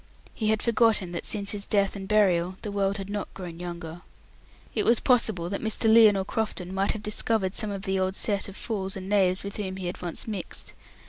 He had forgotten that since his death and burial the world had not grown younger. It was possible that Mr. Lionel Crofton might have discovered some of the old set of fools and knaves with whom he had once mixed.